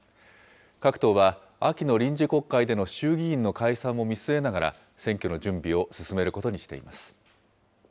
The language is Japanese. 各党は秋の臨時国会での衆議院の解散も見据えながら選挙の準備を進めることにしています。